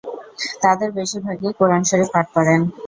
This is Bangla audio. তাদের বেশিরভাগই কুরআন শরিফ পাঠ করেন।